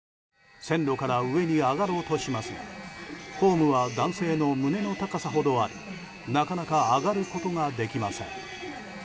線路から上に上がろうとしますがホームは男性の胸の高さほどありなかなか上がることができません。